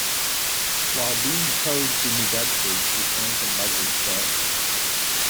While being towed to New Bedford, she sank in Buzzards Bay.